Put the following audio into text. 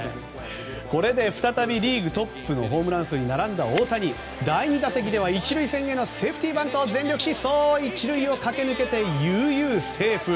これで再びリーグトップのホームラン数に並んだ大谷第２打席では１塁線でのセーフティーバントを全力疾走で１塁を駆け抜けて悠々セーフ！